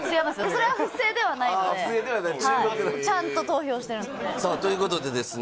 それは不正ではないのでちゃんと投票してるのでさあということでですね